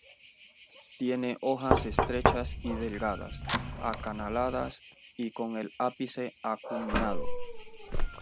Tiene hojas estrechas y delgadas, acanaladas y con el ápice acuminado.